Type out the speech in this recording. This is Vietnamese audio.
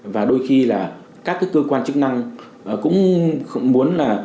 và đôi khi là các cơ quan chức năng cũng muốn là